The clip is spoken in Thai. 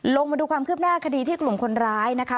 มาดูความคืบหน้าคดีที่กลุ่มคนร้ายนะคะ